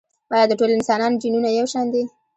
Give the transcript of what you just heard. ایا د ټولو انسانانو جینونه یو شان دي؟